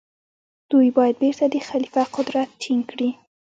دوی باید بيرته د خليفه قدرت ټينګ کړي.